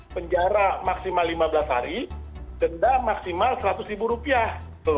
penjara maksimal lima belas hari denda maksimal seratus ribu rupiah